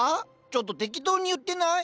ちょっと適当に言ってない？